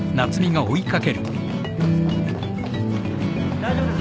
大丈夫です。